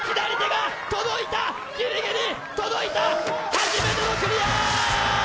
初めてのクリア！